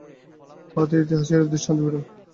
ভারতের ইতিহাসে এরূপ দৃষ্টান্ত বিরল।